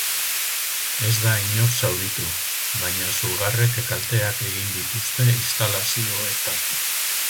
Ez da inor zauritu, baina sugarrek kalteak egin dituzte instalazioetan.